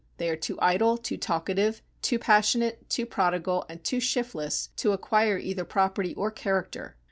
They are too idle, too talkative, too passionate, too prodigal, and too shiftless to acquire either property or character.